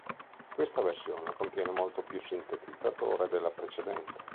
Questa versione contiene molto più sintetizzatore della precedente.